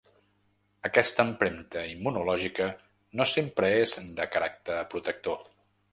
Aquesta empremta immunològica no sempre és de caràcter protector.